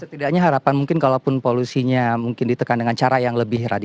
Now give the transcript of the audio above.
setidaknya harapan mungkin kalaupun polusinya mungkin ditekan dengan cara yang lebih radikal